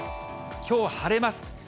きょう晴れます。